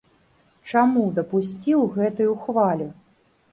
Чаму дапусціў гэтаю хвалю?